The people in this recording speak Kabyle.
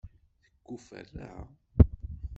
Tekuferra?